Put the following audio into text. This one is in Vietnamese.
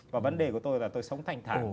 và vấn đề của tôi là tôi sống thành thảo